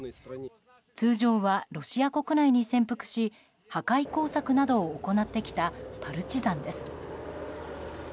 通常は、ロシア国内に潜伏し破壊工作などを行ってきたパルチザンです。